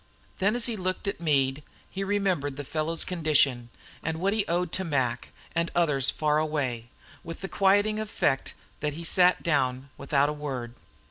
Then as he looked at Meade, he remembered the fellow's condition, and what he owed to Mac, and others far away, with the quieting affect that he sat down without a word.